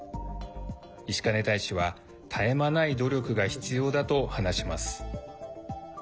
石兼大使は絶え間ない努力が必要だと話します。